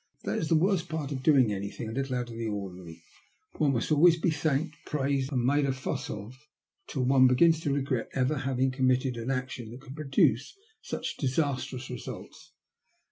That is the worst part of doing anjrthing a little out of the ordinary: one must always be thanked, and praised, and made a fuss of till one begins to regret ever having committed an action that could produce such disastrous results."